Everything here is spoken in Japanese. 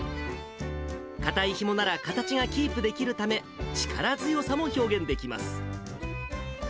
硬いひもなら形がキープできるため、力強さも表現できます。